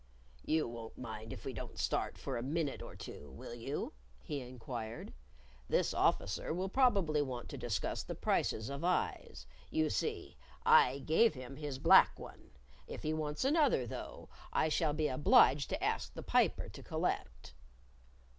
"You won't mind if we don't start for a minute or two, will you?" he inquired. "This Officer will probably want to discuss the prices of eyes. You see, I gave him his black one. If he wants another, though, I shall be obliged to ask the Piper to collect."